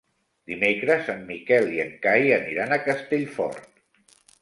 Dimecres en Miquel i en Cai aniran a Castellfort.